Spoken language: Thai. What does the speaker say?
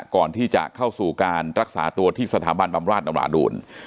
ก่อนที่จะเข้าสู่การรักษาตัวที่สถาบันบำราชนราดูล